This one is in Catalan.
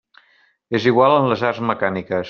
És igual en les arts mecàniques.